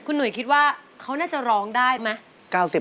หนุ่ยคิดว่าเขาน่าจะร้องได้ไหม